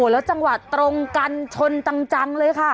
แล้วจังหวะตรงกันชนจังเลยค่ะ